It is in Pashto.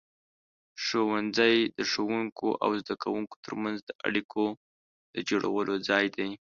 ښوونځی د ښوونکو او زده کوونکو ترمنځ د اړیکو د جوړولو ځای دی.